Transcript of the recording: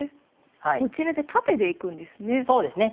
こちらで縦でいくんですね。